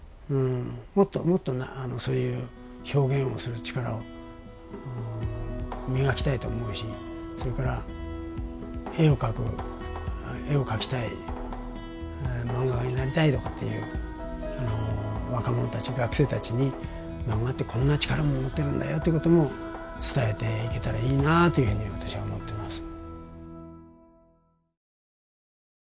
もっともっとそういう表現をする力を磨きたいと思うしそれから絵を描く絵を描きたい漫画家になりたいとかっていう若者たち学生たちに漫画ってこんな力も持っているんだよってことも伝えていけたらいいなあというふうに私は思ってます。